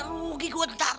rugi gua ntar